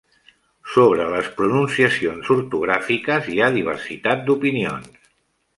Sobre les pronunciacions ortogràfiques hi ha diversitat d'opinions.